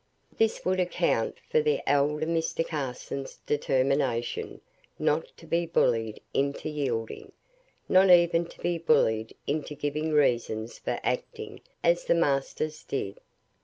This would account for the elder Mr. Carson's determination not to be bullied into yielding; not even to be bullied into giving reasons for acting as the masters did.